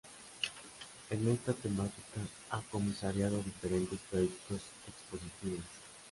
En esta temática ha comisariado diferentes proyectos expositivos.